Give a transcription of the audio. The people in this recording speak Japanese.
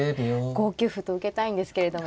５九歩と受けたいんですけれども。